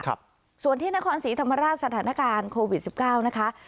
ครับส่วนที่นครศรีธรรมราชสถานการณ์โควิดสิบเก้านะคะ